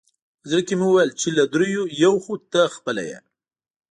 په زړه کې مې وویل چې له درېیو یو خو ته خپله یې.